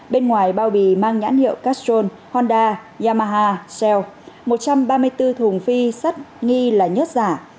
bên ngoài bao bì mang nhãn hiệu castrol honda yamaha gell một trăm ba mươi bốn thùng phi sắt nghi là nhớt giả